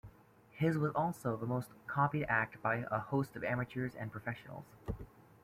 His was also the most copied act by a host of amateurs and professionals.